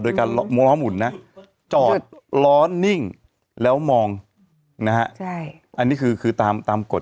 โดยการล้อหมุนนะจอดล้อนิ่งแล้วมองนะฮะอันนี้คือคือตามกฎ